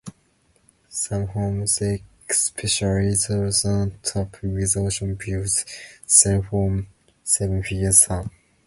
Some homes, especially those 'on top' with ocean views, sell for seven-figure sums.